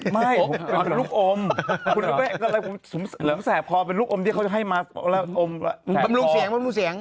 บำรุงเสียงบำรุงเสียง